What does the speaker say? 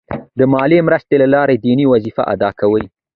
د مالي مرستې له لارې دیني وظیفه ادا کوي.